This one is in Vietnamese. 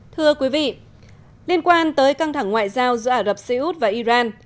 thưa quý vị liên quan tới căng thẳng ngoại giao giữa ả rập xê út và iran